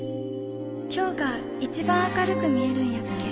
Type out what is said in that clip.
今日が一番明るく見えるんやっけ。